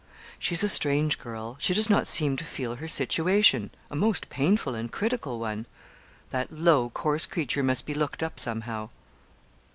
'She's a strange girl, she does not seem to feel her situation a most painful and critical one. That low, coarse creature must be looked up somehow.'